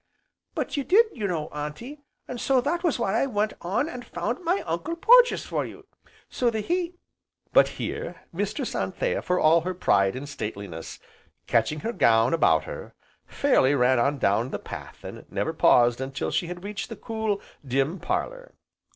"But you did you know, Auntie, an' so that was why I went out an' found my Uncle Porges for you, so that he " But here, Mistress Anthea, for all her pride and stateliness, catching her gown about her, fairly ran on down the path and never paused until she had reached the cool, dim parlour.